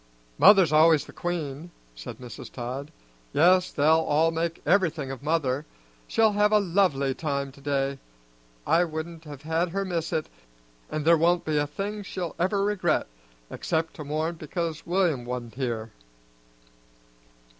"Mother's always the queen," said Mrs. Todd. "Yes, they'll all make everything of mother; she'll have a lovely time to day. I wouldn't have had her miss it, and there won't be a thing she'll ever regret, except to mourn because William wa'n't here."